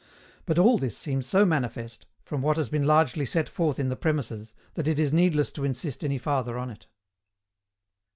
But all this seems so manifest, from what has been largely set forth in the premises, that it is needless to insist any farther on it.